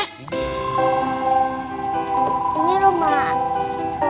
rumah mama aku kak